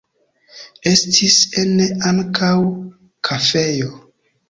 Estis ene ankaŭ kafejo.